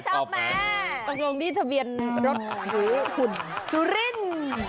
ตรงนี้ทะเบียนรถคืนสุริน